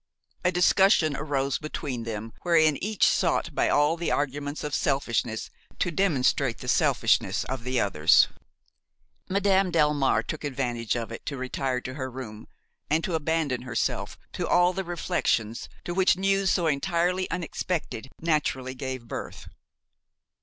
A discussion arose between them wherein each sought by all the arguments of selfishness to demonstrate the selfishness of the others. Madame Delmare took advantage of it to retire to her room and to abandon herself to all the reflections to which news so entirely unexpected naturally gave birth.